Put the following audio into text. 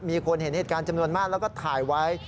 มีคนเห็นเหตุการณ์จำนวนมากแล้วก็ถ่ายไว้